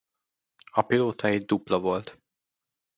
A pilóta egy dupla volt.